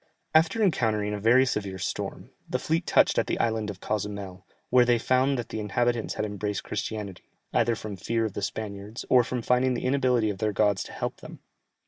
After encountering a very severe storm, the fleet touched at the island of Cozumel, where they found that the inhabitants had embraced Christianity, either from fear of the Spaniards, or from finding the inability of their gods to help them.